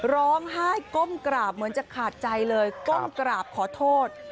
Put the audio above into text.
ร้องไห้ก้มกราบเหมือนจะขาดใจเลยก้มกราบขอโทษ